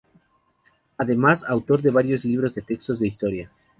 Es además autor de varios libros de texto de historia.